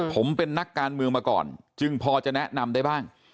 ผมเป็นนักการเมืองมาก่อนจึงพอจะแนะนำได้บ้าง